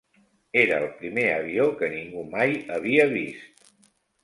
Era el primer avió que ningú mai havia vist.